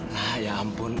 lah ya ampun